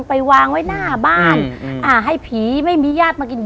ไปวางไว้หน้าบ้านอ่าให้ผีไม่มีญาติมากิน